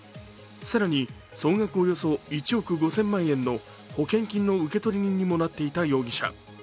更に、総額およそ１億５０００万円の保険金の受取人にもなっていた容疑者。